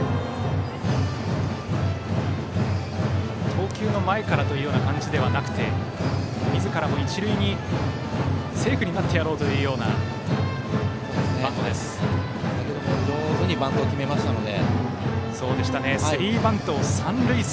投球の前からというような感じではなくてみずからも一塁にセーフになってやろう先程も上手にバントを決めましたので。